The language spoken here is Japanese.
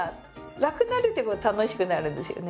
楽になるってことは楽しくなるんですよね。